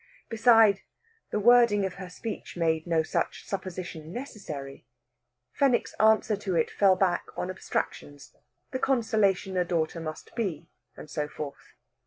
Besides, the wording of her speech made no such supposition necessary. Fenwick's answer to it fell back on abstractions the consolation a daughter must be, and so forth.